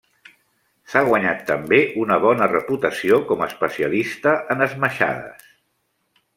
S'ha guanyat també una bona reputació com a especialista en esmaixades.